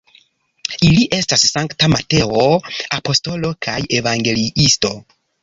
Ili estas Sankta Mateo apostolo kaj evangeliisto.